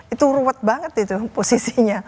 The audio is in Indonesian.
itu ruwet banget itu posisinya